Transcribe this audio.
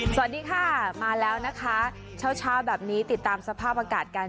สวัสดีค่ะมาแล้วนะคะเช้าเช้าแบบนี้ติดตามสภาพอากาศกัน